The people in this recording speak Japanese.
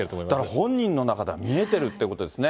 本人の中では見えてるということですね。